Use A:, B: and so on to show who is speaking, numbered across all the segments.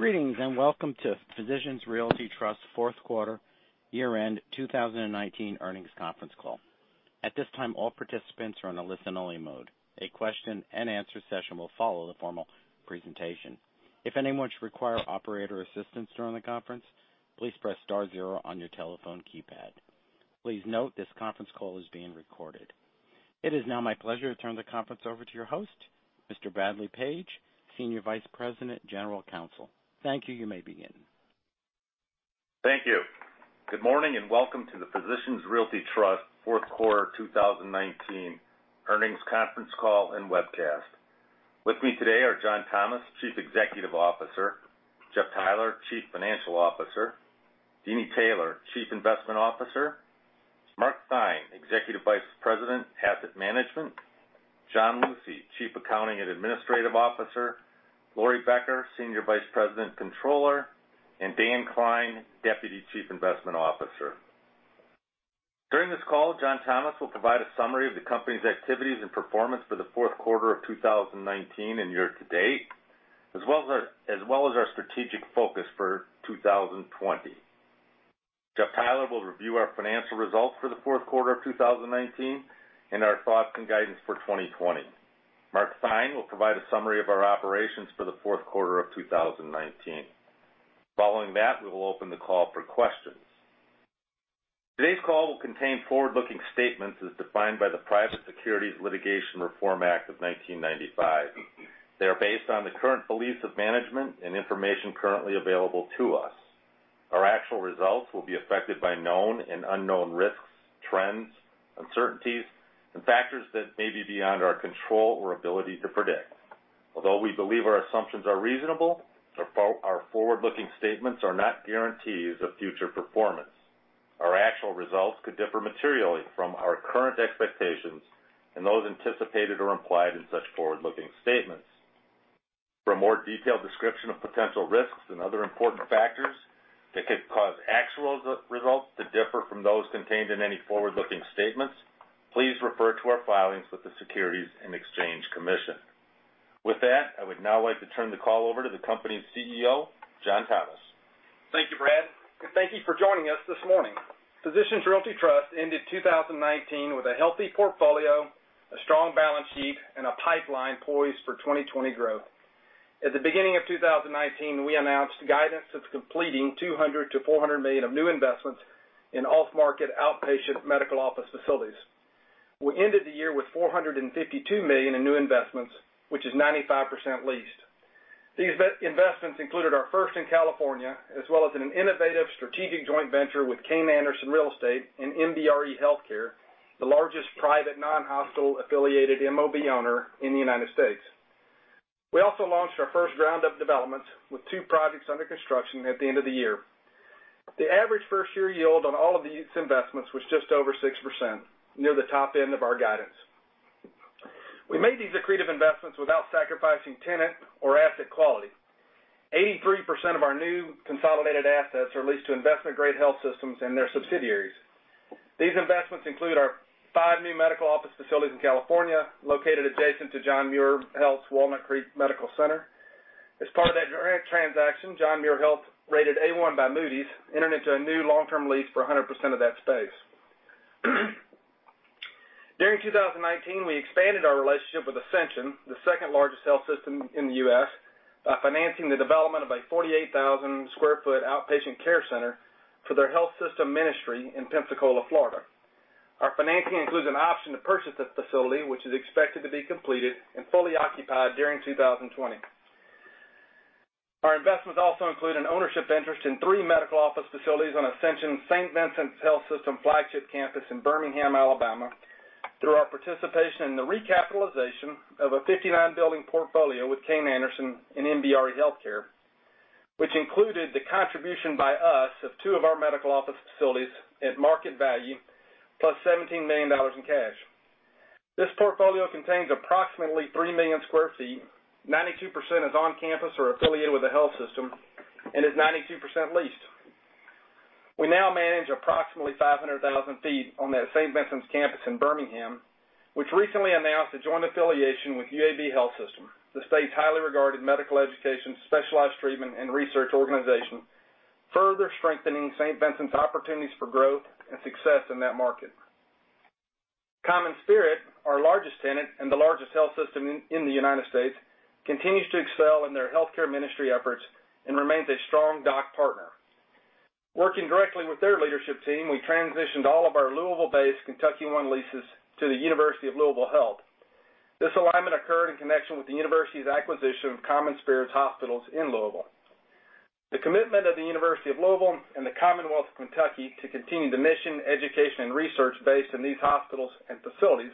A: Greetings, welcome to Physicians Realty Trust Q4 year-end 2019 earnings conference call. At this time, all participants are in a listen-only mode. A question and answer session will follow the formal presentation. If anyone should require operator assistance during the conference, please press star 0 on your telephone keypad. Please note this conference call is being recorded. It is now my pleasure to turn the conference over to your host, Mr. Bradley Page, Senior Vice President, General Counsel. Thank you. You may begin.
B: Thank you. Good morning, welcome to the Physicians Realty Trust Q4 2019 earnings conference call and webcast. With me today are John Thomas, Chief Executive Officer, Jeff Theiler, Chief Financial Officer, Deeni Taylor, Chief Investment Officer, Mark Theine, Executive Vice President, Asset Management, John Lucey, Chief Accounting and Administrative Officer, Laurie Becker, Senior Vice President, Controller, and Dan Klein, Deputy Chief Investment Officer. During this call, John Thomas will provide a summary of the company's activities and performance for the Q4 of 2019 and year to date, as well as our strategic focus for 2020. Jeff Theiler will review our financial results for the fourth quarter of 2019 and our thoughts and guidance for 2020. Mark Theine will provide a summary of our operations for the Q4 of 2019. Following that, we will open the call for questions. Today's call will contain forward-looking statements as defined by the Private Securities Litigation Reform Act of 1995. They are based on the current beliefs of management and information currently available to us. Our actual results will be affected by known and unknown risks, trends, uncertainties, and factors that may be beyond our control or ability to predict. Although we believe our assumptions are reasonable, our forward-looking statements are not guarantees of future performance. Our actual results could differ materially from our current expectations and those anticipated or implied in such forward-looking statements. For a more detailed description of potential risks and other important factors that could cause actual results to differ from those contained in any forward-looking statements, please refer to our filings with the Securities and Exchange Commission. With that, I would now like to turn the call over to the company's CEO, John Thomas.
C: Thank you, Brad, and thank you for joining us this morning. Physicians Realty Trust ended 2019 with a healthy portfolio, a strong balance sheet, and a pipeline poised for 2020 growth. At the beginning of 2019, we announced guidance of completing $200 million-$400 million of new investments in off-market outpatient medical office facilities. We ended the year with $452 million in new investments, which is 95% leased. These investments included our first in California, as well as in an innovative strategic joint venture with Kayne Anderson Real Estate and NBRE Healthcare, the largest private non-hospital-affiliated MOB owner in the United States. We also launched our first ground-up development with two projects under construction at the end of the year. The average first-year yield on all of these investments was just over six percent, near the top end of our guidance. We made these accretive investments without sacrificing tenant or asset quality. 83% of our new consolidated assets are leased to investment-grade health systems and their subsidiaries. These investments include our five new medical office facilities in California, located adjacent to John Muir Health's Walnut Creek Medical Center. As part of that transaction, John Muir Health, rated A.one by Moody's, entered into a new long-term lease for 100% of that space. During 2019, we expanded our relationship with Ascension, the second-largest health system in the U.S., by financing the development of a 48,000 sq ft outpatient care center for their health system ministry in Pensacola, Florida. Our financing includes an option to purchase this facility, which is expected to be completed and fully occupied during 2020. Our investments also include an ownership interest in three medical office facilities on Ascension's St. Vincent's Health System flagship campus in Birmingham, Alabama, through our participation in the recapitalization of a 59-building portfolio with Kayne Anderson and NBRE Healthcare, which included the contribution by us of two of our medical office facilities at market value, plus $17 million in cash. This portfolio contains approximately three million square feet, 92% is on campus or affiliated with the health system, and is 92% leased. We now manage approximately 500,000 feet on that St. Vincent's campus in Birmingham, which recently announced a joint affiliation with UAB Health System, the state's highly regarded medical education, specialized treatment, and research organization, further strengthening St. Vincent's opportunities for growth and success in that market. CommonSpirit, our largest tenant and the largest health system in the United States, continues to excel in their healthcare ministry efforts and remains a strong DOC partner. Working directly with their leadership team, we transitioned all of our Louisville-based KentuckyOne leases to the University of Louisville Health. This alignment occurred in connection with the university's acquisition of CommonSpirit's hospitals in Louisville. The commitment of the University of Louisville and the Commonwealth of Kentucky to continue the mission, education, and research based in these hospitals and facilities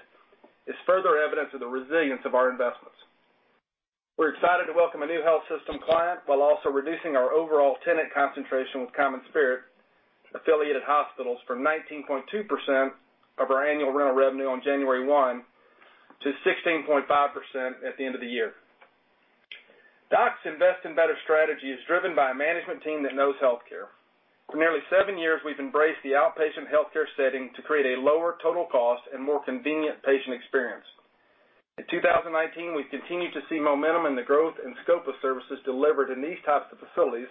C: is further evidence of the resilience of our investments. We're excited to welcome a new health system client while also reducing our overall tenant concentration with CommonSpirit-affiliated hospitals from 19.2% of our annual rental revenue on January 1 to 16.5% at the end of the year. DOC's Invest in Better strategy is driven by a management team that knows healthcare. For nearly seven years, we've embraced the outpatient healthcare setting to create a lower total cost and more convenient patient experience. In 2019, we've continued to see momentum in the growth and scope of services delivered in these types of facilities,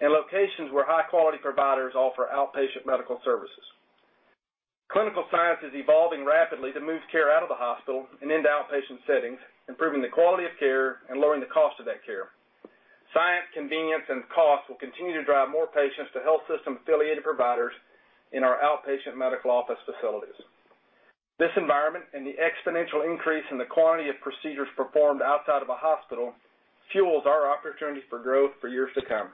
C: and locations where high-quality providers offer outpatient medical services. Clinical science is evolving rapidly to move care out of the hospital and into outpatient settings, improving the quality of care and lowering the cost of that care. Science, convenience, and cost will continue to drive more patients to health system-affiliated providers in our outpatient medical office facilities. This environment and the exponential increase in the quantity of procedures performed outside of a hospital fuels our opportunities for growth for years to come.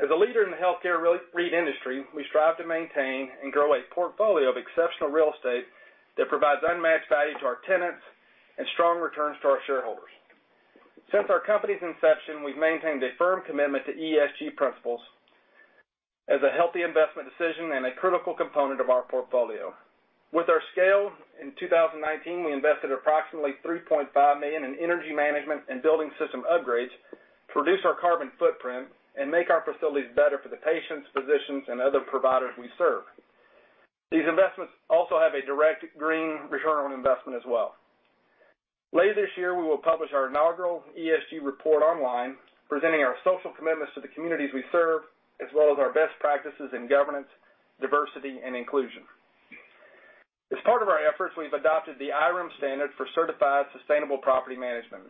C: As a leader in the healthcare REIT industry, we strive to maintain and grow a portfolio of exceptional real estate that provides unmatched value to our tenants and strong returns to our shareholders. Since our company's inception, we've maintained a firm commitment to ESG principles as a healthy investment decision and a critical component of our portfolio. With our scale, in 2019, we invested approximately $3.5 million in energy management and building system upgrades to reduce our carbon footprint and make our facilities better for the patients, physicians, and other providers we serve. These investments also have a direct green return on investment as well. Later this year, we will publish our inaugural ESG report online, presenting our social commitments to the communities we serve as well as our best practices in governance, diversity, and inclusion. As part of our efforts, we've adopted the IREM standard for certified sustainable property management.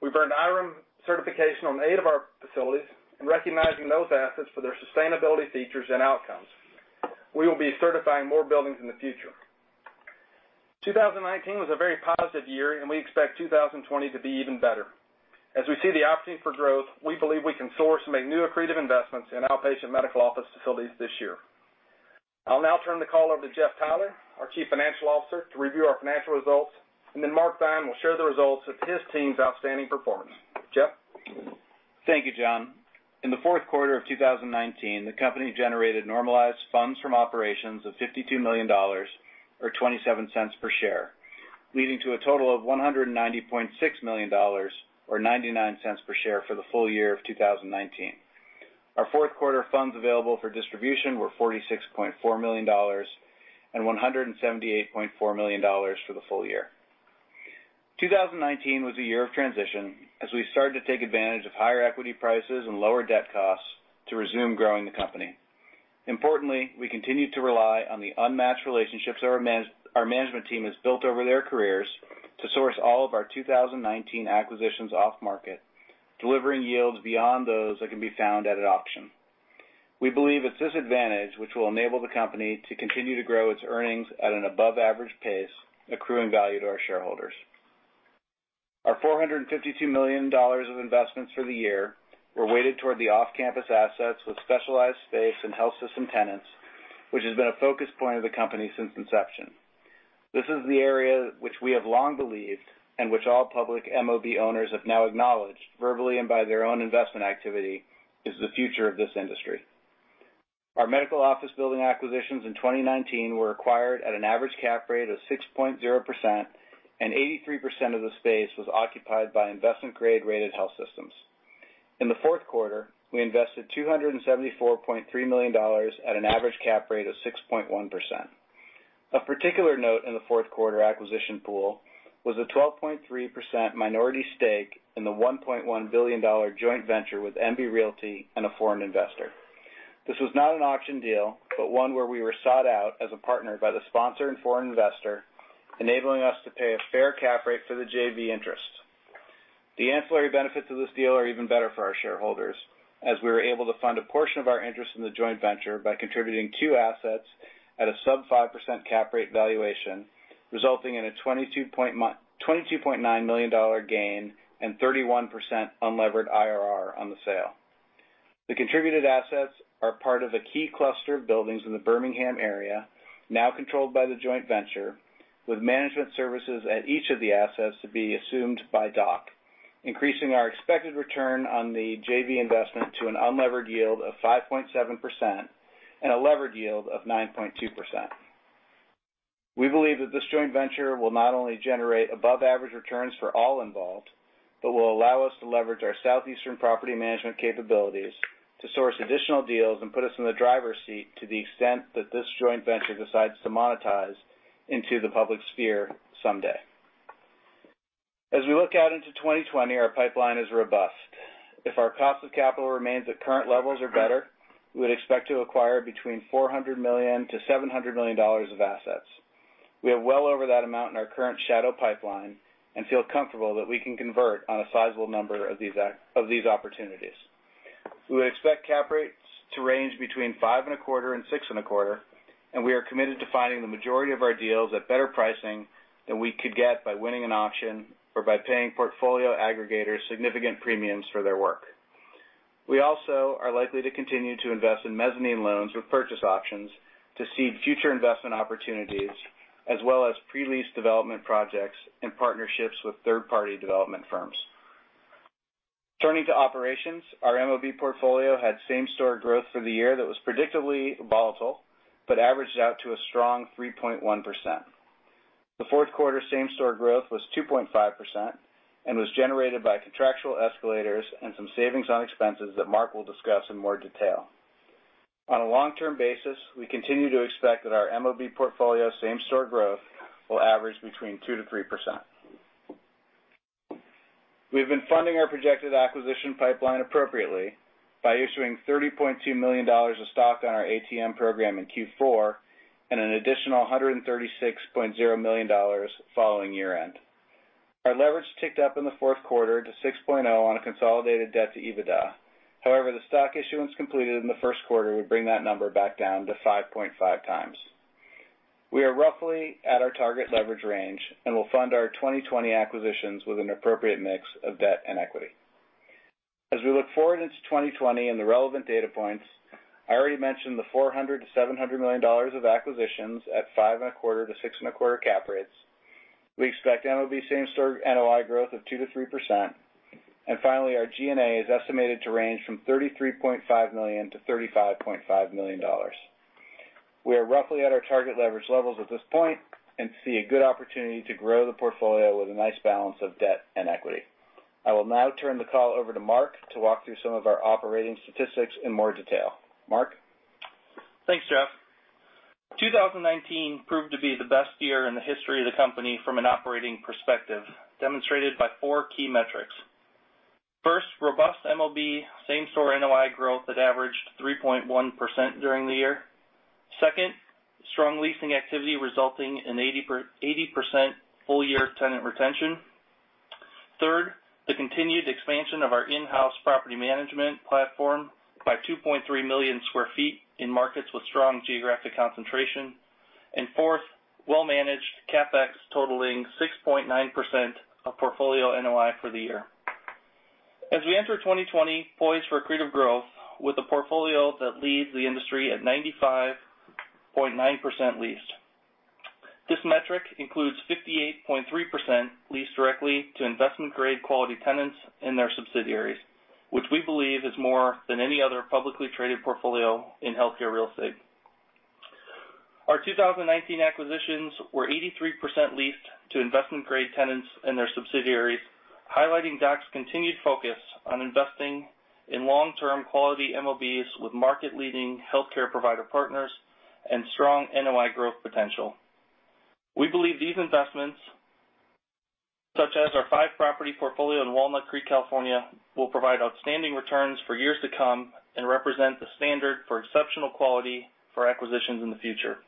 C: We've earned IREM certification on eight of our facilities in recognizing those assets for their sustainability features and outcomes. We will be certifying more buildings in the future. 2019 was a very positive year, and we expect 2020 to be even better. As we see the opportunity for growth, we believe we can source and make new accretive investments in outpatient medical office facilities this year. I'll now turn the call over to Jeff Theiler, our Chief Financial Officer, to review our financial results, and then Mark Theine will share the results of his team's outstanding performance. Jeff?
D: Thank you, John. In the Q4 of 2019, the company generated normalized funds from operations of $52 million, or $0.27 per share, leading to a total of $190.6 million, or $0.99 per share for the full year of 2019. Our Q4 funds available for distribution were $46.4 million and $178.4 million for the full year. 2019 was a year of transition as we started to take advantage of higher equity prices and lower debt costs to resume growing the company. Importantly, we continued to rely on the unmatched relationships our management team has built over their careers to source all of our 2019 acquisitions off-market, delivering yields beyond those that can be found at an auction. We believe it's this advantage which will enable the company to continue to grow its earnings at an above-average pace, accruing value to our shareholders. Our $452 million of investments for the year were weighted toward the off-campus assets with specialized space and health system tenants, which has been a focus point of the company since inception. This is the area which we have long believed, and which all public MOB owners have now acknowledged, verbally and by their own investment activity, is the future of this industry. Our medical office building acquisitions in 2019 were acquired at an average cap rate of 6.0%. 83% of the space was occupied by investment-grade-rated health systems. In the Q4, we invested $274.3 million at an average cap rate of 6.1%. Of particular note in the fourth quarter acquisition pool was a 12.3% minority stake in the $1.1 billion joint venture with NV Realty and a foreign investor. This was not an auction deal, but one where we were sought out as a partner by the sponsor and foreign investor, enabling us to pay a fair cap rate for the JV interest. The ancillary benefits of this deal are even better for our shareholders, as we were able to fund a portion of our interest in the joint venture by contributing two assets at a sub five percent cap rate valuation, resulting in a $22.9 million gain and 31% unlevered IRR on the sale. The contributed assets are part of a key cluster of buildings in the Birmingham area now controlled by the joint venture, with management services at each of the assets to be assumed by DOC, increasing our expected return on the JV investment to an unlevered yield of 5.7% and a levered yield of 9.2%. We believe that this joint venture will not only generate above-average returns for all involved, but will allow us to leverage our Southeastern property management capabilities to source additional deals and put us in the driver's seat to the extent that this joint venture decides to monetize into the public sphere someday. As we look out into 2020, our pipeline is robust. If our cost of capital remains at current levels or better, we would expect to acquire between $400 million - $700 million of assets. We have well over that amount in our current shadow pipeline and feel comfortable that we can convert on a sizable number of these opportunities. We would expect cap rates to range between five and a quarter and six and a quarter. We are committed to finding the majority of our deals at better pricing than we could get by winning an auction or by paying portfolio aggregators significant premiums for their work. We also are likely to continue to invest in mezzanine loans with purchase options to seed future investment opportunities, as well as pre-lease development projects and partnerships with third-party development firms. Turning to operations, our MOB portfolio had same-store growth for the year that was predictably volatile, but averaged out to a strong 3.1%. The Q4 same-store growth was 2.5% and was generated by contractual escalators and some savings on expenses that Mark will discuss in more detail. On a long-term basis, we continue to expect that our MOB portfolio same-store growth will average between two percent- three percent. We've been funding our projected acquisition pipeline appropriately by issuing $30.2 million of stock on our ATM program in Q4, and an additional $136.0 million following year-end. Our leverage ticked up in the Q4 to 6.0 on a consolidated debt to EBITDA. The stock issuance completed in the Q1 would bring that number back down to 5.5x. We are roughly at our target leverage range and will fund our 2020 acquisitions with an appropriate mix of debt and equity. As we look forward into 2020 and the relevant data points, I already mentioned the $400 million-$700 million of acquisitions at five and a quarter - six and a quarter cap rates. We expect MOB same-store NOI growth of two percent-three percent. Finally, our G&A is estimated to range from $33.5 million-$35.5 million. We are roughly at our target leverage levels at this point and see a good opportunity to grow the portfolio with a nice balance of debt and equity. I will now turn the call over to Mark to walk through some of our operating statistics in more detail. Mark?
E: Thanks, Jeff. 2019 proved to be the best year in the history of the company from an operating perspective, demonstrated by four key metrics. First, robust MOB same-store NOI growth that averaged 3.1% during the year. Second, strong leasing activity resulting in 80% full-year tenant retention. Third, the continued expansion of our in-house property management platform by 2.3 million square feet in markets with strong geographic concentration. Fourth, well-managed CapEx totaling 6.9% of portfolio NOI for the year. As we enter 2020 poised for accretive growth with a portfolio that leads the industry at 95.9% leased. This metric includes 58.3% leased directly to investment-grade quality tenants and their subsidiaries, which we believe is more than any other publicly traded portfolio in healthcare real estate. Our 2019 acquisitions were 83% leased to investment-grade tenants and their subsidiaries, highlighting DOC's continued focus on investing in long-term quality MOBs with market-leading healthcare provider partners and strong NOI growth potential. We believe these investments, such as our five-property portfolio in Walnut Creek, California, will provide outstanding returns for years to come and represent the standard for exceptional quality for acquisitions in the future.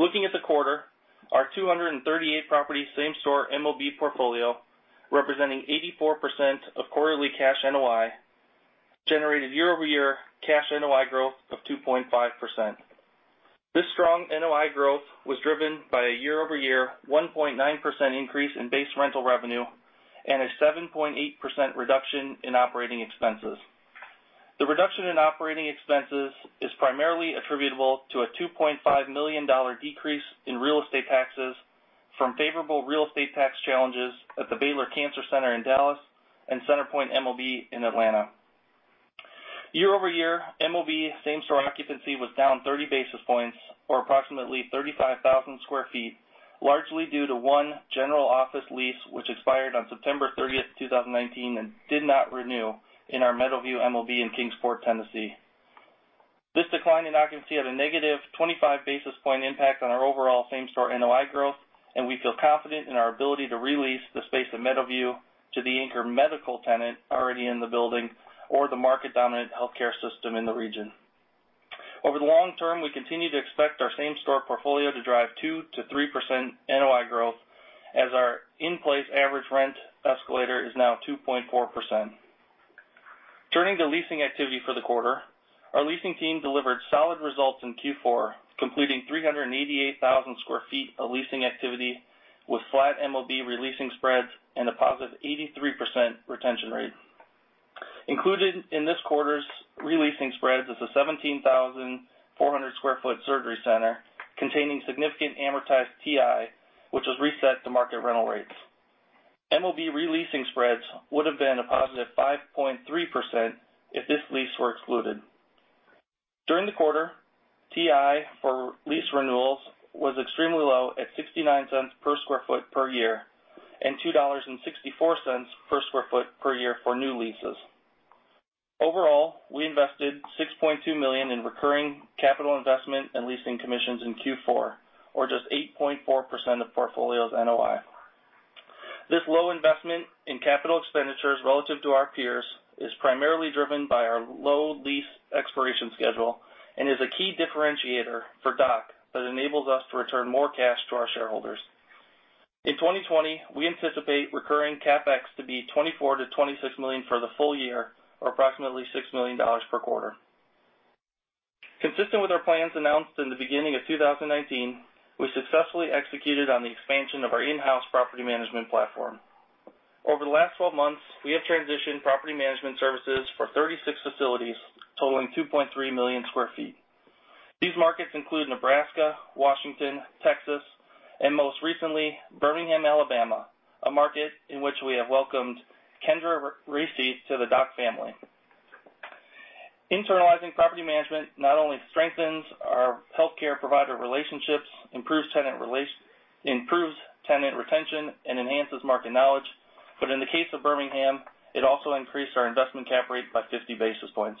E: Looking at the quarter, our 238 property same-store MOB portfolio, representing 84% of quarterly cash NOI, generated year-over-year cash NOI growth of 2.5%. This strong NOI growth was driven by a year-over-year 1.9% increase in base rental revenue and a 7.8% reduction in operating expenses. The reduction in operating expenses is primarily attributable to a $2.5 million decrease in real estate taxes from favorable real estate tax challenges at the Baylor Cancer Center in Dallas and CenterPoint MOB in Atlanta. Year-over-year, MOB same-store occupancy was down 30 basis points or approximately 35,000 sq ft, largely due to one general office lease, which expired on September 30, 2019, and did not renew in our Meadowview MOB in Kingsport, Tennessee. This decline in occupancy had a negative 25 basis point impact on our overall same-store NOI growth, and we feel confident in our ability to re-lease the space of Meadowview to the anchor medical tenant already in the building, or the market-dominant healthcare system in the region. Over the long term, we continue to expect our same-store portfolio to drive two percent-three percent NOI growth as our in-place average rent escalator is now 2.4%. Turning to leasing activity for the quarter, our leasing team delivered solid results in Q4, completing 388,000 sq ft of leasing activity with flat MOB re-leasing spreads and a positive 83% retention rate. Included in this quarter's re-leasing spreads is a 17,400-square-foot surgery center containing significant amortized TI, which was reset to market rental rates. MOB re-leasing spreads would have been a positive 5.3% if this lease were excluded. During the quarter, TI for lease renewals was extremely low at $0.69 per square foot per year, and $2.64 per square foot per year for new leases. Overall, we invested $6.2 million in recurring capital investment and leasing commissions in Q4, or just 8.4% of portfolio's NOI. This low investment in capital expenditures relative to our peers is primarily driven by our low lease expiration schedule and is a key differentiator for DOC that enables us to return more cash to our shareholders. In 2020, we anticipate recurring CapEx to be $24 million-$26 million for the full year, or approximately $6 million per quarter. Consistent with our plans announced in the beginning of 2019, we successfully executed on the expansion of our in-house property management platform. Over the last 12 months, we have transitioned property management services for 36 facilities totaling 2.3 million square feet. These markets include Nebraska, Washington, Texas, and most recently, Birmingham, Alabama, a market in which we have welcomed Kendra Risi to the DOC family. Internalizing property management not only- our healthcare provider relationships, improves tenant retention, and enhances market knowledge. In the case of Birmingham, it also increased our investment cap rate by 50 basis points.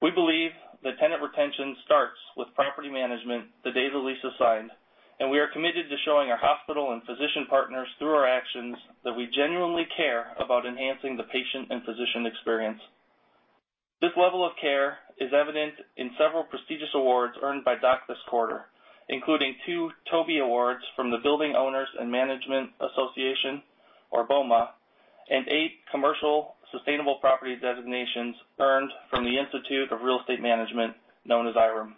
E: We believe that tenant retention starts with property management the day the lease is signed, and we are committed to showing our hospital and physician partners through our actions that we genuinely care about enhancing the patient and physician experience. This level of care is evident in several prestigious awards earned by DOC this quarter, including two TOBY awards from the Building Owners and Managers Association, or BOMA, and eight commercial sustainable property designations earned from the Institute of Real Estate Management, known as IREM.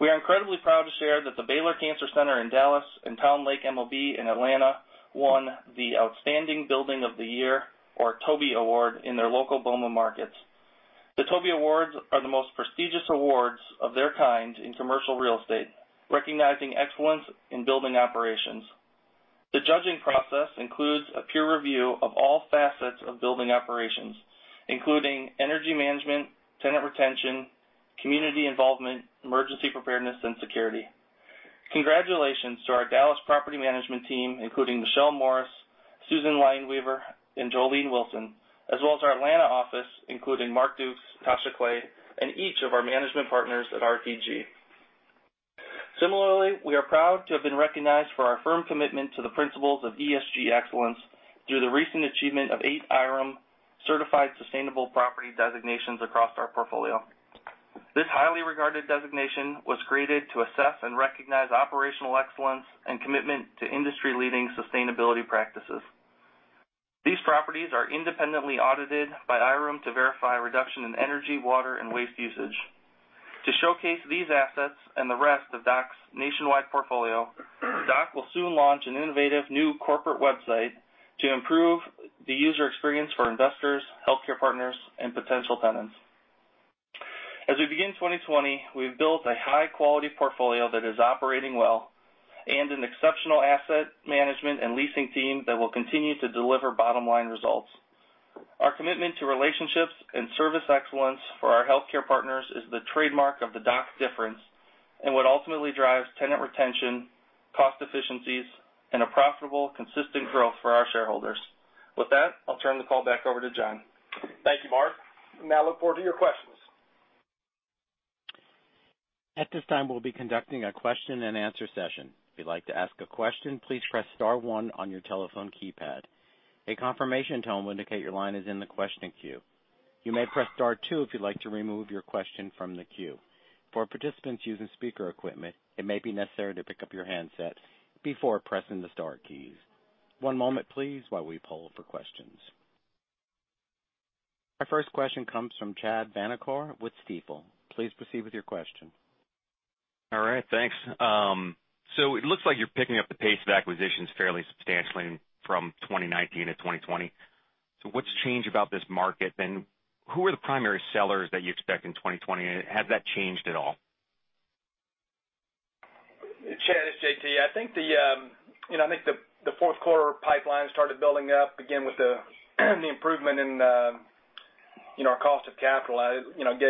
E: We are incredibly proud to share that the Baylor Cancer Center in Dallas and Town Lake MOB in Atlanta won the Outstanding Building of the Year, or TOBY Award, in their local BOMA markets. The TOBY Awards are the most prestigious awards of their kind in commercial real estate, recognizing excellence in building operations. The judging process includes a peer review of all facets of building operations, including energy management, tenant retention, community involvement, emergency preparedness, and security. Congratulations to our Dallas property management team, including Michelle Morris, Susan Lineweaver, and Jolene Wilson, as well as our Atlanta office, including Mark Dukes, Tosha Clay, and each of our management partners at RPG. Similarly, we are proud to have been recognized for our firm commitment to the principles of ESG excellence through the recent achievement of eight IREM certified sustainable property designations across our portfolio. This highly regarded designation was created to assess and recognize operational excellence and commitment to industry-leading sustainability practices. These properties are independently audited by IREM to verify reduction in energy, water, and waste usage. To showcase these assets and the rest of DOC's nationwide portfolio, DOC will soon launch an innovative new corporate website to improve the user experience for investors, healthcare partners, and potential tenants. As we begin 2020, we've built a high-quality portfolio that is operating well and an exceptional asset management and leasing team that will continue to deliver bottom-line results. Our commitment to relationships and service excellence for our healthcare partners is the trademark of the DOC difference and what ultimately drives tenant retention, cost efficiencies, and a profitable, consistent growth for our shareholders. With that, I'll turn the call back over to John.
C: Thank you, Mark. We now look forward to your questions.
A: At this time, we'll be conducting a question-and-answer session. If you'd like to ask a question, please press *one on your telephone keypad. A confirmation tone will indicate your line is in the questioning queue. You may press *two if you'd like to remove your question from the queue. For participants using speaker equipment, it may be necessary to pick up your handset before pressing the star keys. One moment, please, while we poll for questions. Our first question comes from Chad Vanacore with Stifel. Please proceed with your question.
F: All right. Thanks. It looks like you're picking up the pace of acquisitions fairly substantially from 2019 - 2020. What's changed about this market, and who are the primary sellers that you expect in 2020? Has that changed at all?
C: Chad, it's JT. I think the Q4 pipeline started building up again with the improvement in our cost of capital. I think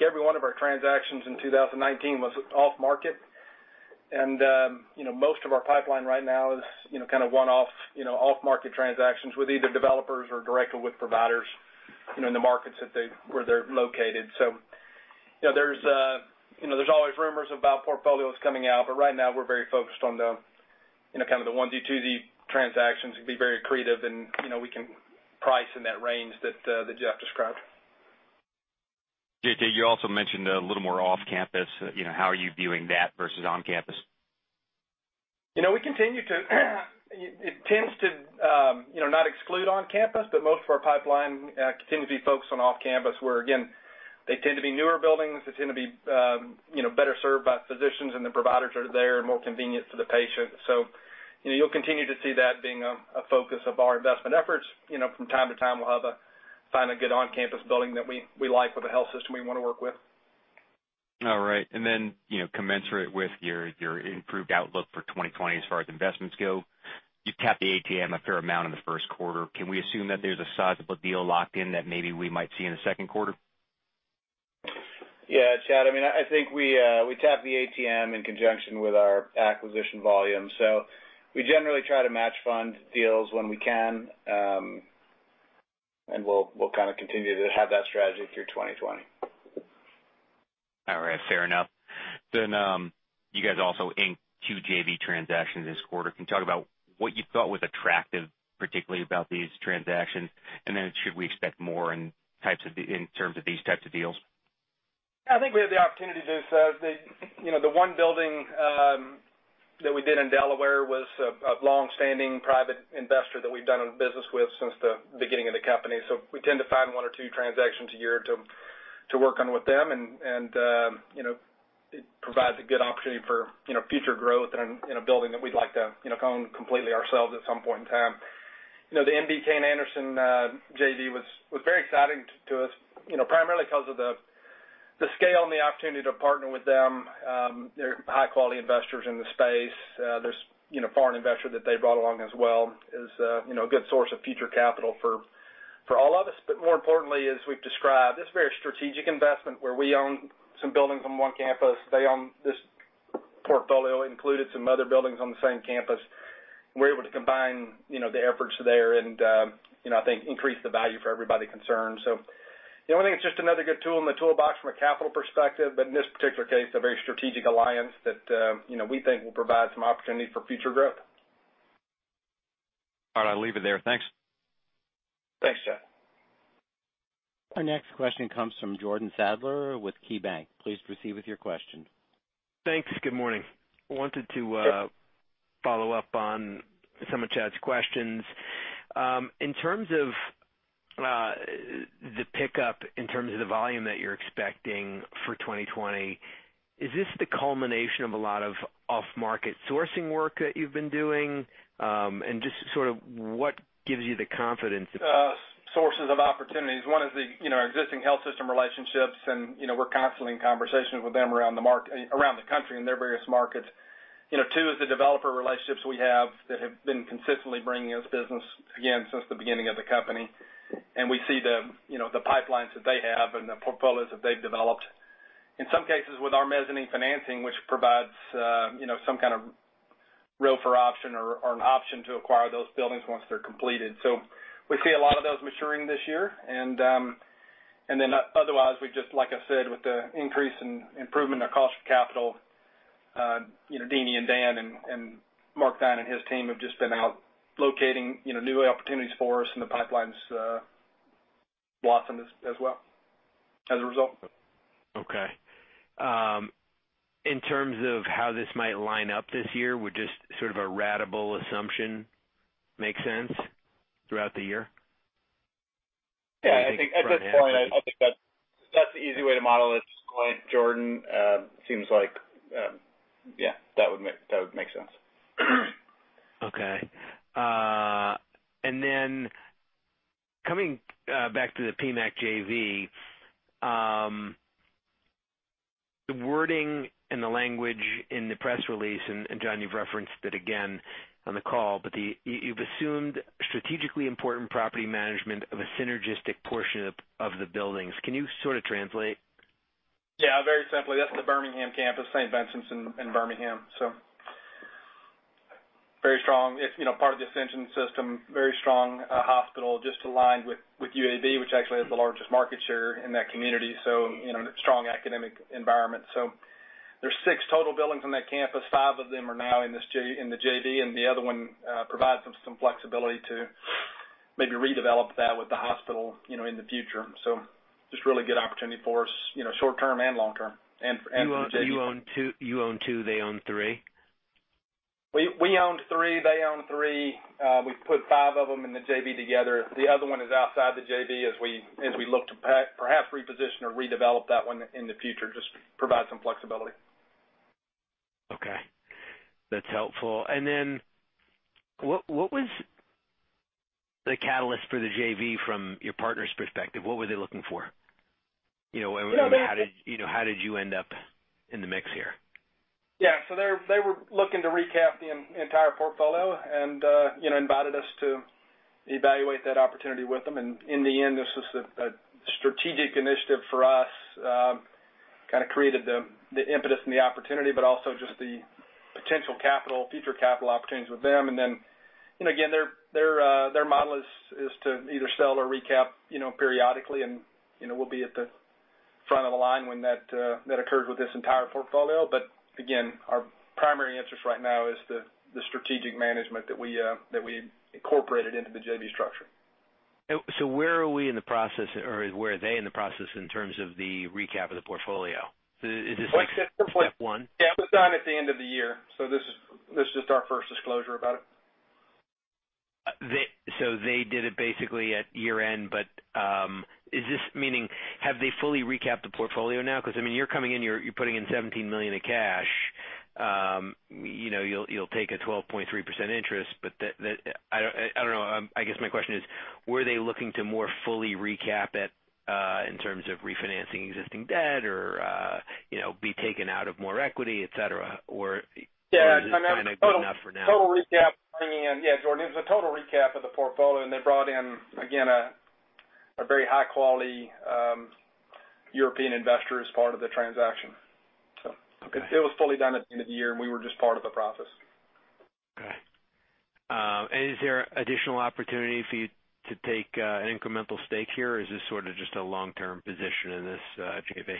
C: every one of our transactions in 2019 was off-market. Most of our pipeline right now is kind of one-off, off-market transactions with either developers or directly with providers in the markets where they're located. There's always rumors about portfolios coming out, but right now we're very focused on the kind of the onesie-twosie transactions and be very creative, and we can price in that range that Jeff described.
F: JT, you also mentioned a little more off-campus. How are you viewing that versus on-campus?
C: It tends to not exclude on-campus, but most of our pipeline continue to be focused on off-campus, where again, they tend to be newer buildings. They tend to be better served by physicians, and the providers are there and more convenient for the patient. You'll continue to see that being a focus of our investment efforts. From time to time, we'll find a good on-campus building that we like with a health system we want to work with.
F: All right. Commensurate with your improved outlook for 2020 as far as investments go, you've tapped the ATM a fair amount in the 1Q. Can we assume that there's a sizable deal locked in that maybe we might see in the Q2?
D: Yeah, Chad. I think we tapped the ATM in conjunction with our acquisition volume, so we generally try to match fund deals when we can. We'll kind of continue to have that strategy through 2020.
F: All right. Fair enough. You guys also inked two JV transactions this quarter. Can you talk about what you thought was attractive, particularly about these transactions? Should we expect more in terms of these types of deals?
C: I think we have the opportunity to. The one building that we did in Delaware was a longstanding private investor that we've done business with since the beginning of the company. We tend to find one or two transactions a year to work on with them, and it provides a good opportunity for future growth in a building that we'd like to own completely ourselves at some point in time. The NVK and Anderson JV was very exciting to us, primarily because of the scale and the opportunity to partner with them, they're high-quality investors in the space. There's foreign investor that they brought along as well, is a good source of future capital for all of us. More importantly, as we've described, this is a very strategic investment where we own some buildings on one campus. They own this portfolio, included some other buildings on the same campus. We're able to combine the efforts there and, I think, increase the value for everybody concerned. The only thing, it's just another good tool in the toolbox from a capital perspective, but in this particular case, a very strategic alliance that, we think will provide some opportunity for future growth.
F: All right. I leave it there. Thanks.
C: Thanks, Chad.
A: Our next question comes from Jordan Sadler with KeyBanc. Please proceed with your question.
G: Thanks. Good morning. I wanted to follow up on some of Chad's questions. In terms of the pickup in terms of the volume that you're expecting for 2020, is this the culmination of a lot of off-market sourcing work that you've been doing? Just sort of what gives you the confidence that.
C: Sources of opportunities. one is the existing health system relationships, and we're constantly in conversations with them around the country in their various markets. two is the developer relationships we have that have been consistently bringing us business, again, since the beginning of the company. We see the pipelines that they have and the portfolios that they've developed. In some cases, with our mezzanine financing, which provides some kind of ROFR option or an option to acquire those buildings once they're completed. We see a lot of those maturing this year. Otherwise, we just, like I said, with the increase in improvement in our cost of capital, Deeni and Dan and Mark Theine and his team have just been out locating new opportunities for us, and the pipelines blossom as well, as a result.
G: Okay. In terms of how this might line up this year, would just sort of a ratable assumption make sense throughout the year?
C: Yeah, I think at this point, I think that's the easy way to model it, Jordan. Seems like, yeah, that would make sense.
G: Okay. Coming back to the PMAC JV, the wording and the language in the press release, and John, you've referenced it again on the call, but you've assumed strategically important property management of a synergistic portion of the buildings. Can you sort of translate?
C: Yeah, very simply. That's the Birmingham campus, St. Vincent's in Birmingham. Very strong. It's part of the Ascension system, very strong hospital, just aligned with UAB, which actually has the largest market share in that community, strong academic environment. There's six total buildings on that campus. Five of them are now in the JV, and the other one provides us some flexibility to maybe redevelop that with the hospital in the future. Just really good opportunity for us, short-term and long-term.
G: You own two, they own three?
C: We owned three, they owned three. We've put five of them in the JV together. The other one is outside the JV as we look to perhaps reposition or redevelop that one in the future, just provide some flexibility.
G: Okay. That's helpful. What was the catalyst for the JV from your partner's perspective? What were they looking for? How did you end up in the mix here?
C: Yeah. They were looking to recap the entire portfolio and invited us to evaluate that opportunity with them. In the end, this was a strategic initiative for us, kind of created the impetus and the opportunity, but also just the potential capital, future capital opportunities with them. Again, their model is to either sell or recap periodically, and we'll be at the front of the line when that occurs with this entire portfolio. Again, our primary interest right now is the strategic management that we incorporated into the JV structure.
G: Where are we in the process, or where are they in the process in terms of the recap of the portfolio? Is this like step one?
C: Yeah, it was done at the end of the year. This is just our first disclosure about it.
G: They did it basically at year-end, but is this meaning have they fully recapped the portfolio now? You're coming in, you're putting in $17 million of cash. You'll take a 12.3% interest. I don't know. I guess my question is, were they looking to more fully recap it, in terms of refinancing existing debt or be taken out of more equity, et cetera?
C: Yeah-
G: Is this kind of good enough for now?
C: total recap, bringing in Yeah, Jordan, it was a total recap of the portfolio, and they brought in, again, a very high-quality European investor as part of the transaction, so.
G: Okay.
C: It was fully done at the end of the year, and we were just part of the process.
G: Okay. Is there additional opportunity for you to take an incremental stake here, or is this sort of just a long-term position in this JV?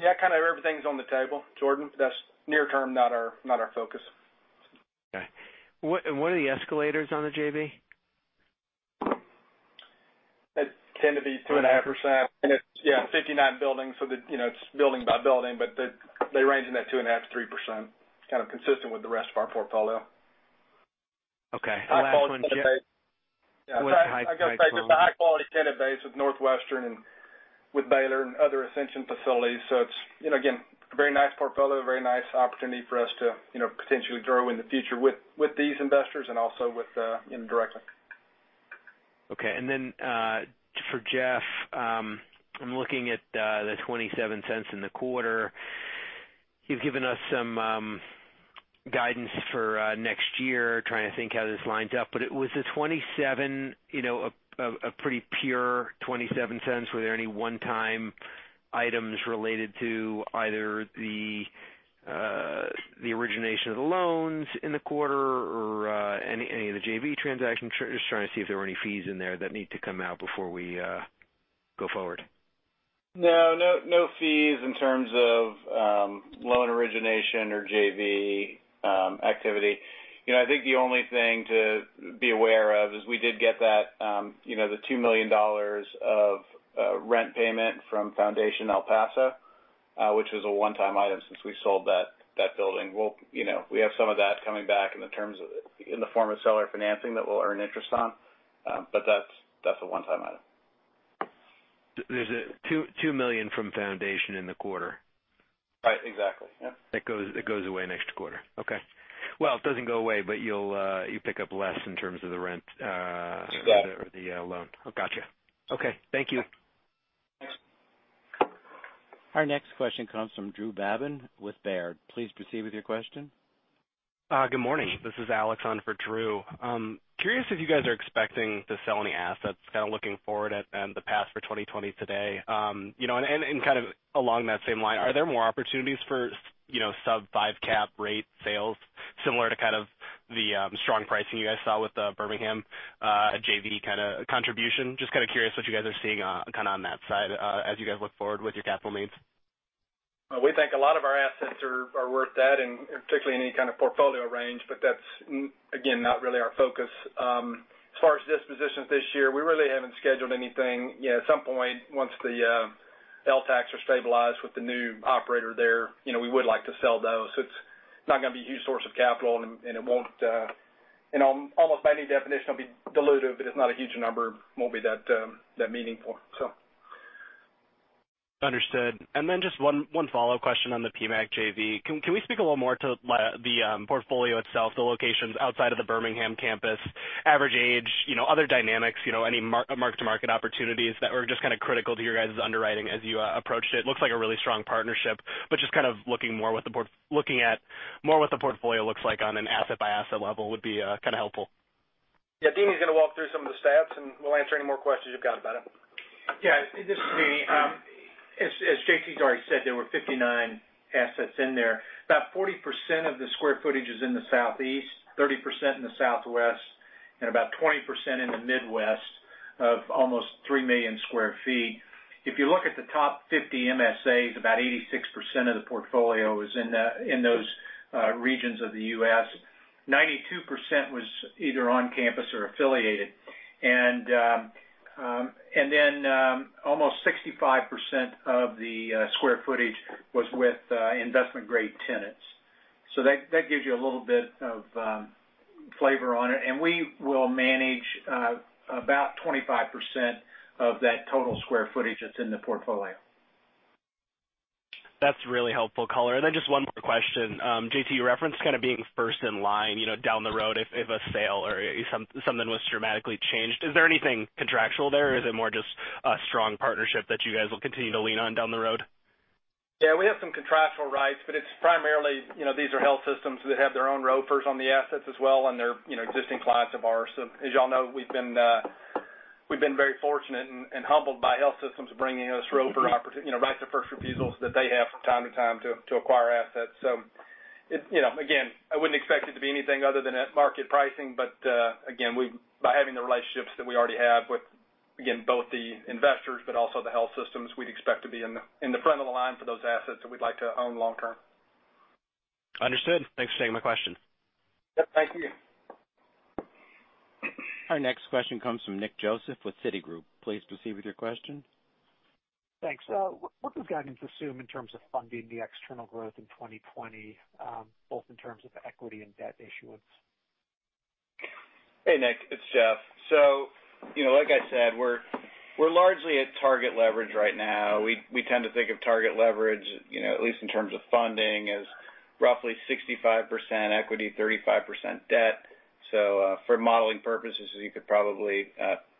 C: Yeah, kind of everything's on the table, Jordan, but that's near term, not our focus.
G: Okay. What are the escalators on the JV?
C: It tend to be 2.5%. It's 59 buildings, so it's building by building, but they range in that 2.5%-3%. It's kind of consistent with the rest of our portfolio.
G: Okay. Last one.
C: High-quality tenant base.
G: With high quality
C: I got to say, just a high-quality tenant base with Northwestern and with Baylor and other Ascension facilities. It's, again, a very nice portfolio, a very nice opportunity for us to potentially grow in the future with these investors and also with indirectly.
G: Okay. For Jeff, I'm looking at the $0.27 in the quarter. You've given us some guidance for next year, trying to think how this lines up, but it was a pretty pure $0.27. Were there any one-time items related to either the origination of the loans in the quarter or any of the JV transactions? Just trying to see if there were any fees in there that need to come out before we go forward.
D: No. No fees in terms of loan origination or JV activity. I think the only thing to be aware of is we did get the $2 million of rent payment from Foundation El Paso, which was a one-time item since we sold that building. We have some of that coming back in the form of seller financing that we'll earn interest on. That's a one-time item.
G: There's a $2 million from Foundation in the quarter.
D: Right. Exactly. Yep.
G: It goes away next quarter. Okay. Well, it doesn't go away, but you pick up less in terms of the rent-
D: Exactly
G: or the loan. Got you. Okay. Thank you.
D: Thanks.
A: Our next question comes from Drew Babin with Baird. Please proceed with your question.
H: Good morning. This is Alex on for Drew. Curious if you guys are expecting to sell any assets, kind of looking forward at the past for 2020 today. Kind of along that same line, are there more opportunities for sub five cap rate sales similar to kind of the strong pricing you guys saw with the Birmingham JV kind of contribution? Just kind of curious what you guys are seeing kind of on that side as you guys look forward with your capital needs.
C: Well, we think a lot of our assets are worth that, and particularly in any kind of portfolio range, but that's, again, not really our focus. At some point, once the LTACs are stabilized with the new operator there, we would like to sell those. It's not going to be a huge source of capital, and almost by any definition, it'll be dilutive, but it's not a huge number, won't be that meaningful.
H: Understood. Just one follow-up question on the PMAC JV. Can we speak a little more to the portfolio itself, the locations outside of the Birmingham campus, average age, other dynamics, any mark-to-market opportunities that were just kind of critical to your guys' underwriting as you approached it? Looks like a really strong partnership, but just kind of looking at more what the portfolio looks like on an asset-by-asset level would be kind of helpful.
C: Yeah, Deeni's going to walk through some of the stats, and we'll answer any more questions you've got about it.
I: Yeah, this is Deeni. As JT's already said, there were 59 assets in there. About 40% of the square footage is in the Southeast, 30% in the Southwest, and about 20% in the Midwest of almost 3 million sq ft. If you look at the top 50 MSAs, about 86% of the portfolio is in those regions of the U.S. 92% was either on campus or affiliated. Almost 65% of the square footage was with investment-grade tenants. That gives you a little bit of flavor on it. We will manage about 25% of that total square footage that's in the portfolio.
H: That's really helpful color. Then just one more question. J.T., you referenced kind of being first in line, down the road if a sale or if something was dramatically changed. Is there anything contractual there, or is it more just a strong partnership that you guys will continue to lean on down the road?
C: Yeah, we have some contractual rights, but it's primarily, these are health systems that have their own ROFRs on the assets as well, and they're existing clients of ours. As you all know, we've been very fortunate and humbled by health systems bringing us right of first refusals that they have from time to time to acquire assets. Again, I wouldn't expect it to be anything other than at market pricing. Again, by having the relationships that we already have with, again, both the investors but also the health systems, we'd expect to be in the front of the line for those assets that we'd like to own long-term.
H: Understood. Thanks for taking my question.
C: Yep, thank you.
A: Our next question comes from Nick Joseph with Citigroup. Please proceed with your question.
J: Thanks. What does guidance assume in terms of funding the external growth in 2020, both in terms of equity and debt issuance?
D: Hey, Nick, it's Jeff. Like I said, we're largely at target leverage right now. We tend to think of target leverage, at least in terms of funding, as roughly 65% equity, 35% debt. For modeling purposes, you could probably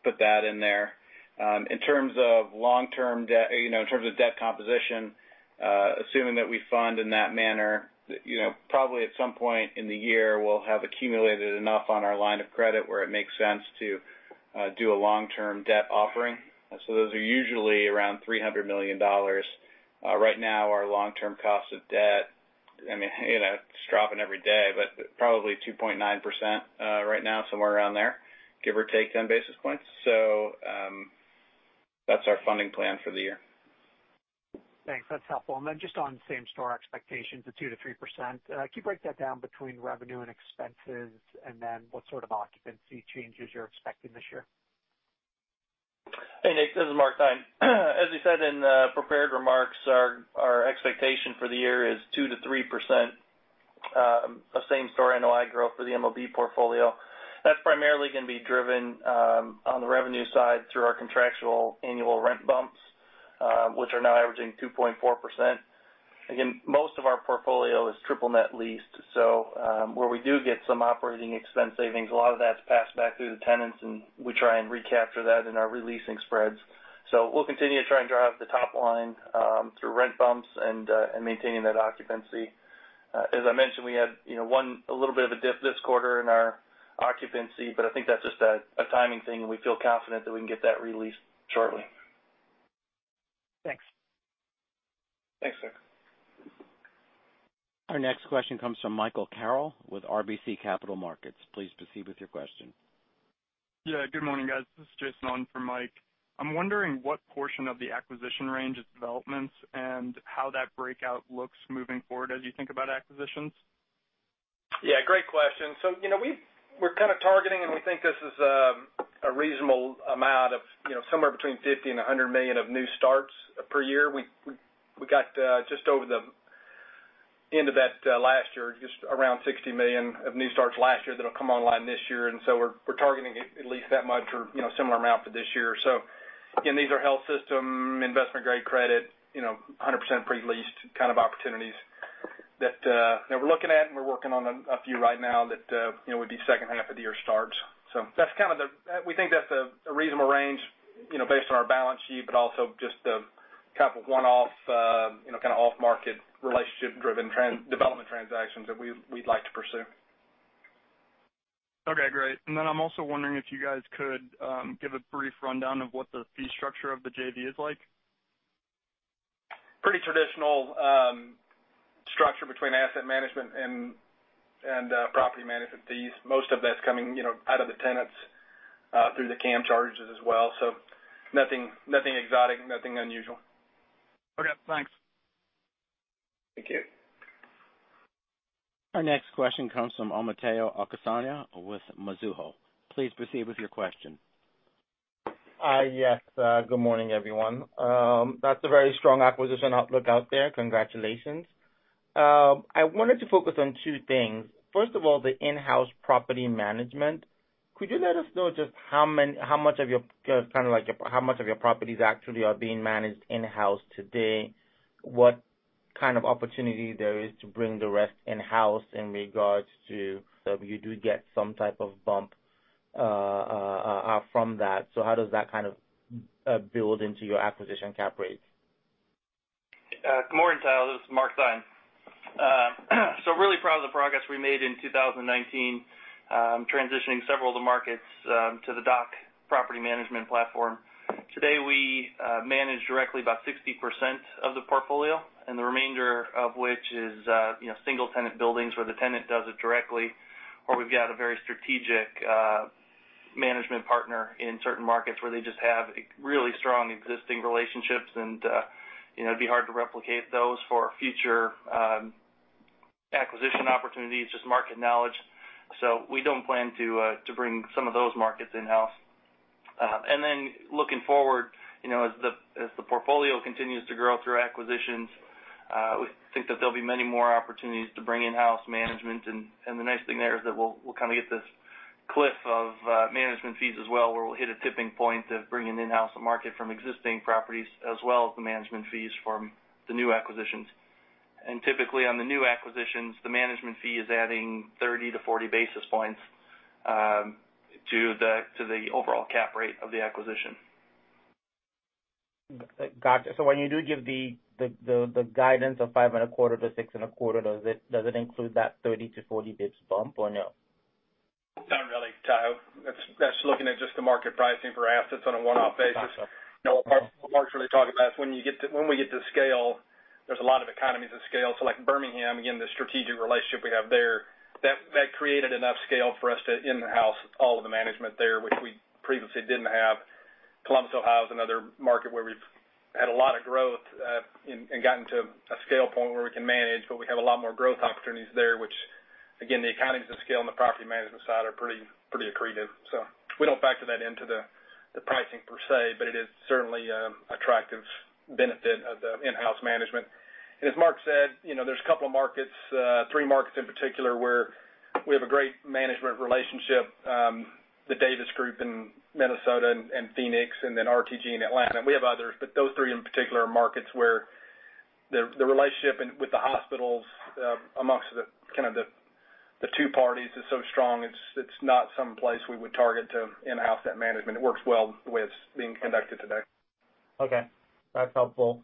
D: put that in there. In terms of debt composition, assuming that we fund in that manner, probably at some point in the year, we'll have accumulated enough on our line of credit where it makes sense to do a long-term debt offering. Those are usually around $300 million. Right now, our long-term cost of debt, it's dropping every day, but probably 2.9% right now, somewhere around there, give or take 10 basis points. That's our funding plan for the year.
J: Thanks. That's helpful. Just on same-store expectations of two percent-three percent, can you break that down between revenue and expenses, and then what sort of occupancy changes you're expecting this year?
E: Hey, Nick, this is Mark Theine. As we said in the prepared remarks, our expectation for the year is two percent-three percent of same-store NOI growth for the MOB portfolio. That's primarily going to be driven on the revenue side through our contractual annual rent bumps, which are now averaging 2.4%. Most of our portfolio is triple net leased. Where we do get some operating expense savings, a lot of that's passed back through the tenants, and we try and recapture that in our re-leasing spreads. We'll continue to try and drive up the top line through rent bumps and maintaining that occupancy. As I mentioned, we had a little bit of a dip this quarter in our occupancy, but I think that's just a timing thing, and we feel confident that we can get that re-leased shortly.
J: Thanks.
E: Thanks, sir.
A: Our next question comes from Michael Carroll with RBC Capital Markets. Please proceed with your question.
K: Yeah, good morning, guys. This is Jason on for Mike. I'm wondering what portion of the acquisition range is developments and how that breakout looks moving forward as you think about acquisitions?
C: Great question. We're kind of targeting, and we think this is a reasonable amount of somewhere between $50 million and $100 million of new starts per year. We got just over the end of that last year, just around $60 million of new starts last year that'll come online this year. We're targeting at least that much or similar amount for this year. Again, these are health system, investment-grade credit, 100% pre-leased kind of opportunities that we're looking at, and we're working on a few right now that would be second half of the year starts. We think that's a reasonable range, based on our balance sheet, but also just the kind of one-off, kind of off-market relationship driven development transactions that we'd like to pursue.
K: Okay, great. I'm also wondering if you guys could give a brief rundown of what the fee structure of the JV is like?
C: Pretty traditional structure between asset management and property management fees. Most of that's coming out of the tenants through the CAM charges as well. Nothing exotic, nothing unusual.
K: Okay, thanks.
C: Thank you.
A: Our next question comes from Omotayo Okusanya with Mizuho. Please proceed with your question.
L: Hi, yes. Good morning, everyone. That's a very strong acquisition outlook out there. Congratulations. I wanted to focus on two things. First of all, the in-house property management. Could you let us know just how much of your properties actually are being managed in-house today? What kind of opportunity there is to bring the rest in-house in regards to you do get some type of bump from that? How does that kind of build into your acquisition cap rates?
E: Good morning, Tao. This is Mark Theine. Really proud of the progress we made in 2019, transitioning several of the markets to the DOC property management platform. Today, we manage directly about 60% of the portfolio, and the remainder of which is single-tenant buildings where the tenant does it directly, or we've got a very strategic management partner in certain markets where they just have really strong existing relationships, and it'd be hard to replicate those for future acquisition opportunities, just market knowledge. We don't plan to bring some of those markets in-house. Looking forward, as the portfolio continues to grow through acquisitions, we think that there'll be many more opportunities to bring in-house management. The nice thing there is that we'll kind of get this cliff of management fees as well, where we'll hit a tipping point of bringing in-house the market from existing properties as well as the management fees from the new acquisitions. Typically, on the new acquisitions, the management fee is adding 30 - 40 basis points to the overall cap rate of the acquisition.
L: Gotcha. When you do give the guidance of five and a quarter to six and a quarter, does it include that 30-40 basis points bump or no?
C: Not really, Tao. That's looking at just the market pricing for assets on a one-off basis.
L: Got it.
C: What Mark's really talking about is when we get to scale, there is a lot of economies of scale. Like Birmingham, again, the strategic relationship we have there, that created enough scale for us to in-house all of the management there, which we previously did not have. Columbus, Ohio is another market where we have had a lot of growth and gotten to a scale point where we can manage, but we have a lot more growth opportunities there, which again, the economies of scale on the property management side are pretty accretive. We do not factor that into the pricing per se, but it is certainly attractive benefit of the in-house management. As Mark said, there is a couple of markets, three markets in particular, where we have a great management relationship. The Davis Group in Minnesota and Phoenix, and then RTG in Atlanta. Those three in particular are markets where the relationship with the hospitals amongst kind of the two parties is so strong, it's not someplace we would target to in-house that management. It works well the way it's being conducted today.
L: Okay. That's helpful.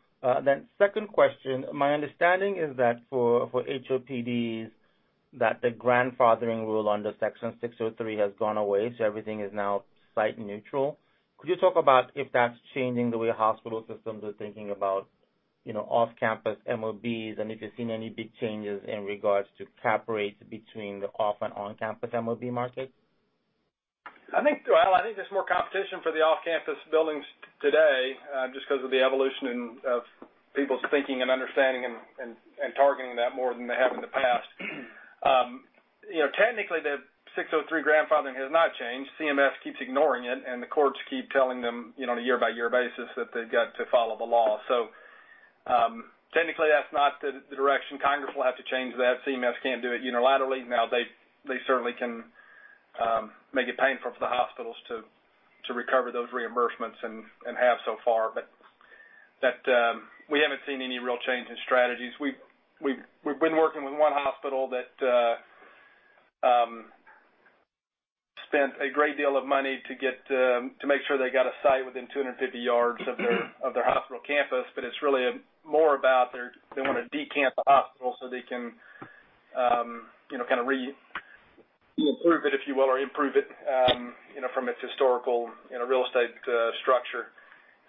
L: Second question, my understanding is that for HOPDs, that the grandfathering rule under Section 603 has gone away, so everything is now site neutral. Could you talk about if that's changing the way hospital systems are thinking about off-campus MOBs and if you're seeing any big changes in regards to cap rates between the off and on-campus MOB market?
C: Well, I think there's more competition for the off-campus buildings today, just because of the evolution of people's thinking and understanding and targeting that more than they have in the past. Technically, the 603 grandfathering has not changed. CMS keeps ignoring it. The courts keep telling them on a year-by-year basis that they've got to follow the law. Technically, that's not the direction. Congress will have to change that. CMS can't do it unilaterally. They certainly can make it painful for the hospitals to recover those reimbursements and have so far. We haven't seen any real change in strategies. We've been working with one hospital that spent a great deal of money to make sure they got a site within 250 yards of their hospital campus. It's really more about they want to decant the hospital so they can kind of re-improve it, if you will, or improve it from its historical real estate structure.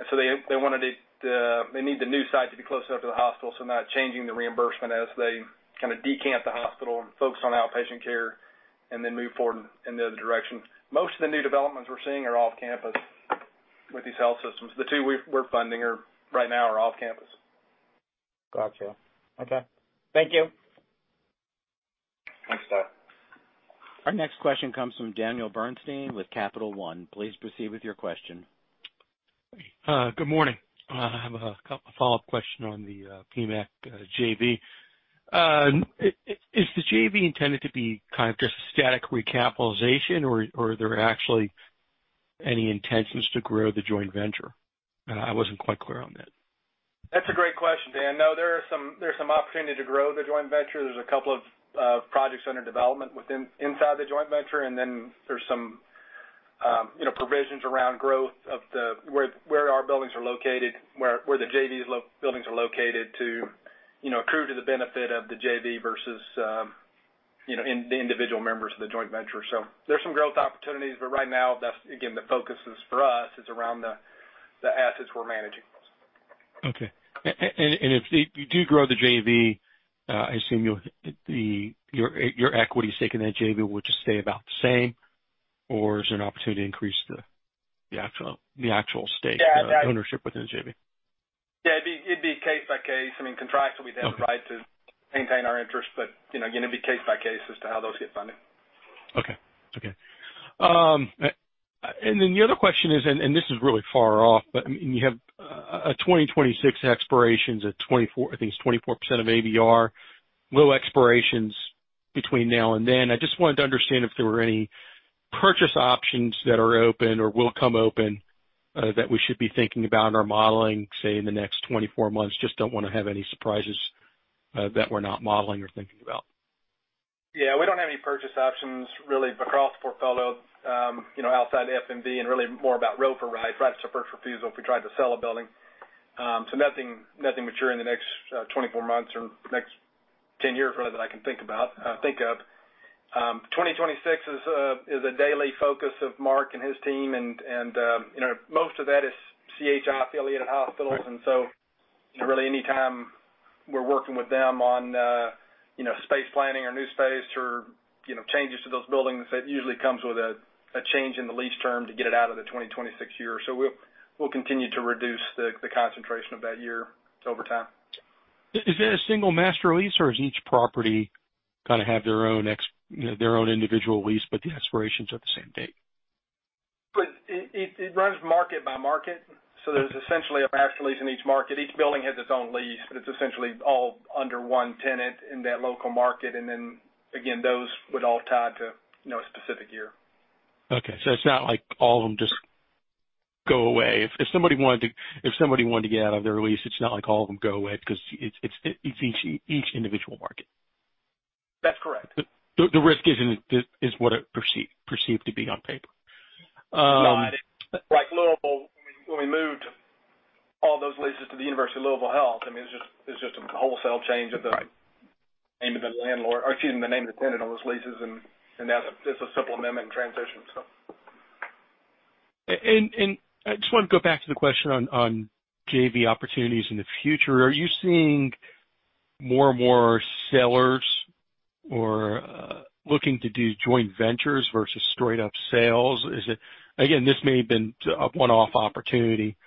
C: So they need the new site to be close enough to the hospital, so not changing the reimbursement as they kind of decant the hospital and focus on outpatient care and then move forward in the other direction. Most of the new developments we're seeing are off-campus with these health systems. The two we're funding right now are off-campus.
L: Got you. Okay. Thank you.
C: Thanks, Toyo.
A: Our next question comes from Daniel Bernstein with Capital One. Please proceed with your question.
M: Good morning. I have a follow-up question on the PMAC JV. Is the JV intended to be kind of just a static recapitalization, or are there actually any intentions to grow the joint venture? I wasn't quite clear on that.
C: That's a great question, Dan. There's some opportunity to grow the joint venture. There's a couple of projects under development inside the joint venture, there's some provisions around growth of where our buildings are located, where the JV buildings are located to accrue to the benefit of the JV versus the individual members of the joint venture. There's some growth opportunities, right now, again, the focus for us is around the assets we're managing.
M: Okay. If you do grow the JV, I assume your equity stake in that JV would just stay about the same, or is there an opportunity to increase the actual stake?
C: Yeah.
M: ownership within the JV?
C: Yeah, it'd be case by case. Contractually, we'd have the right to maintain our interest, but it'd be case by case as to how those get funded.
M: Okay. Then the other question is, and this is really far off, but you have 2026 expirations at, I think it's 24% of ABR, little expirations between now and then. I just wanted to understand if there were any purchase options that are open or will come open that we should be thinking about in our modeling, say, in the next 24 months. Just don't want to have any surprises that we're not modeling or thinking about.
C: Yeah. We don't have any purchase options really across the portfolio outside of FMD and really more about ROFR, rights of first refusal if we tried to sell a building. Nothing mature in the next 24 months or next 10 years, really, that I can think of. 2026 is a daily focus of Mark and his team, most of that is CHI-affiliated hospitals. Really, anytime we're working with them on space planning or new space or changes to those buildings, that usually comes with a change in the lease term to get it out of the 2026 year. We'll continue to reduce the concentration of that year over time.
M: Is that a single master lease, or does each property kind of have their own individual lease, but the expirations are the same date?
C: It runs market by market. There's essentially a master lease in each market. Each building has its own lease, but it's essentially all under one tenant in that local market. Then again, those would all tie to a specific year.
M: Okay. It's not like all of them just go away. If somebody wanted to get out of their lease, it's not like all of them go away because it's each individual market.
C: That's correct.
M: The risk isn't as what it perceived to be on paper.
C: Right. Like Louisville, when we moved all those leases to the University of Louisville Health, I mean, it's just a wholesale change.
M: Right.
C: name of the landlord, or excuse me, the name of the tenant on those leases, and that's a simple amendment transition.
M: I just want to go back to the question on JV opportunities in the future. Are you seeing more and more sellers or looking to do joint ventures versus straight up sales? Again, this may have been a one-off opportunity.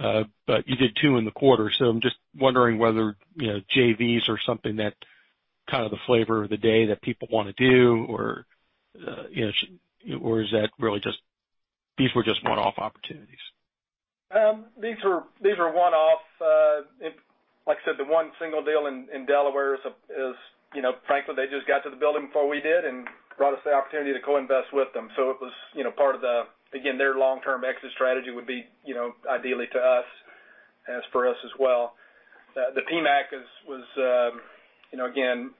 M: You did two in the quarter, so I'm just wondering whether JVs are something that kind of the flavor of the day that people want to do, or is that really just these were just one-off opportunities?
C: These were one-off. Like I said, the one single deal in Delaware is, frankly, they just got to the building before we did and brought us the opportunity to co-invest with them. It was part of the, again, their long-term exit strategy would be ideally to us as for us as well. The PMAC was, again,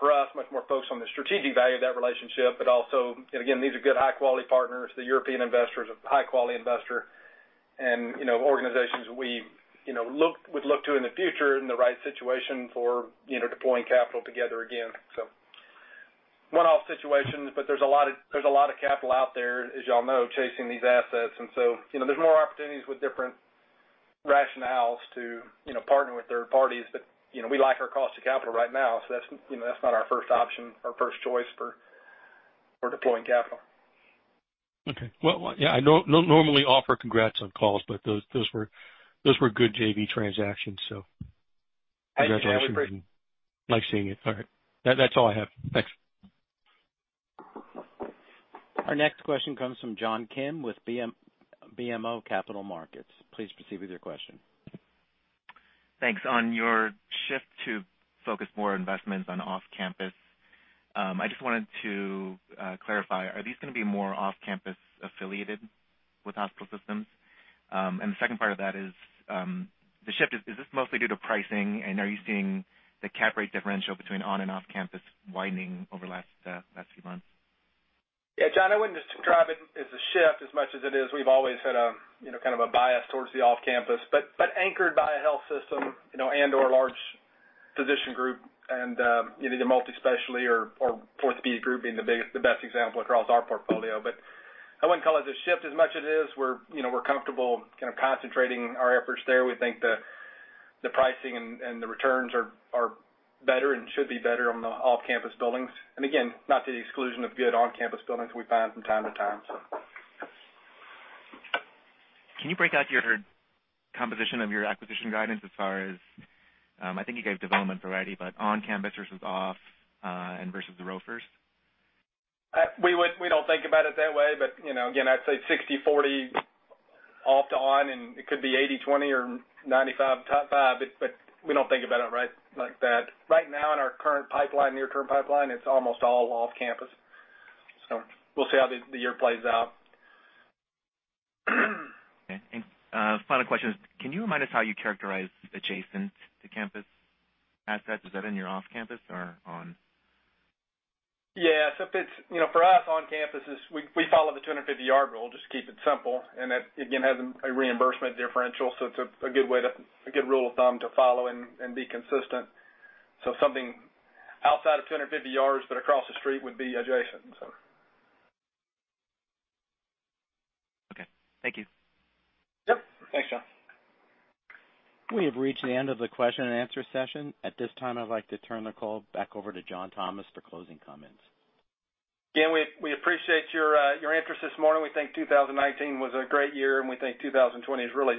C: for us, much more focused on the strategic value of that relationship. These are good, high-quality partners. The European investor is a high-quality investor, and organizations we would look to in the future in the right situation for deploying capital together again. One-off situations, but there's a lot of capital out there, as you all know, chasing these assets. There's more opportunities with different rationales to partner with third parties. We like our cost of capital right now, so that's not our first option or first choice for deploying capital.
M: Okay. Well, yeah, I don't normally offer congrats on calls. Those were good JV transactions. Congratulations.
C: Hey, man, we appreciate it.
M: Nice seeing you. All right. That's all I have. Thanks.
A: Our next question comes from John Kim with BMO Capital Markets. Please proceed with your question.
N: Thanks. On your shift to focus more investments on off-campus, I just wanted to clarify, are these going to be more off-campus affiliated with hospital systems? The second part of that is, the shift, is this mostly due to pricing? Are you seeing the cap rate differential between on and off-campus widening over the last few months?
C: Yeah, John, I wouldn't describe it as a shift as much as it is we've always had a kind of a bias towards the off-campus, but anchored by a health system, and/or large physician group, and either multi-specialty or Forrest Spence group being the best example across our portfolio. I wouldn't call it a shift as much as it is we're comfortable kind of concentrating our efforts there. We think the pricing and the returns are better and should be better on the off-campus buildings. Again, not to the exclusion of good on-campus buildings we find from time to time.
N: Can you break out your composition of your acquisition guidance as far as, I think you gave development already, but on-campus versus off, and versus the ROFRs?
C: We don't think about it that way, but again, I'd say 60/40 off to on, and it could be 80/20 or 95/5, but we don't think about it right like that. Right now in our current pipeline, near-term pipeline, it's almost all off-campus. We'll see how the year plays out.
N: Okay. Final question is, can you remind us how you characterize adjacent to campus assets? Is that in your off-campus or on?
C: Yeah. For us on-campus is, we follow the 250-yard rule, just to keep it simple. That, again, has a reimbursement differential, so it's a good rule of thumb to follow and be consistent. Something outside of 250 yards, but across the street would be adjacent.
N: Okay. Thank you.
C: Yep. Thanks, John.
A: We have reached the end of the question and answer session. At this time, I'd like to turn the call back over to John Thomas for closing comments.
C: Again, we appreciate your interest this morning. We think 2019 was a great year, and we think 2020 is really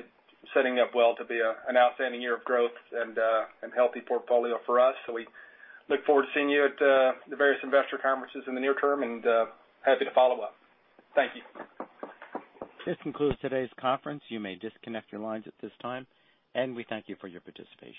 C: setting up well to be an outstanding year of growth and healthy portfolio for us. We look forward to seeing you at the various investor conferences in the near term, and happy to follow up. Thank you.
A: This concludes today's conference. You may disconnect your lines at this time, and we thank you for your participation.